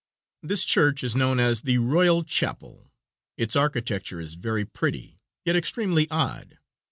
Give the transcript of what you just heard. This church is known as the Royal Chapel. Its architecture is very pretty, yet extremely odd.